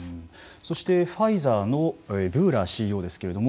そしてファイザーのブーラＣＥＯですけれども